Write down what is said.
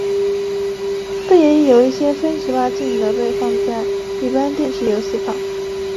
但也有一些非十八禁的被放在一般电视游戏旁。